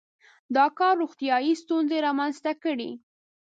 • دا کار روغتیايي ستونزې رامنځته کړې.